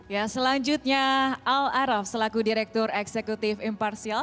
ya selanjutnya al araf selaku direktur eksekutif imparsial